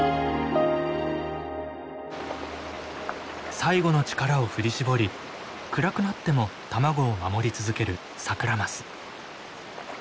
最後の力を振り絞り暗くなっても卵を守り続けるサクラマス。